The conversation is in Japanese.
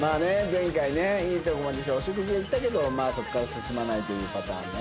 前回ねいいとこまでお食事は行ったけどそこから進まないというパターンね。